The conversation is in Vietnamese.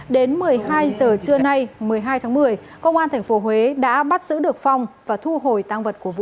đến một mươi hai giờ trưa nay một mươi hai tháng một mươi công an tp huế đã bắt giữ được phong và thu hồi tăng vật của vụ